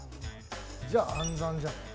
じゃあ暗算じゃない？